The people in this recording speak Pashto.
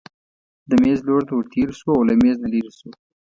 د مېز لور ته ورتېر شو او له مېز نه لیرې شو.